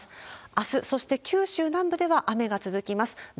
あす、そして九州南部では雨が続きます。